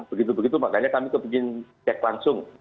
begitu begitu makanya kami ingin cek langsung